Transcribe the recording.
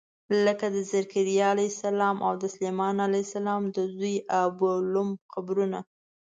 لکه د ذکریا علیه السلام او د سلیمان علیه السلام د زوی ابولوم قبرونه.